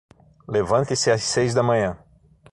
Levante-se às seis da manhã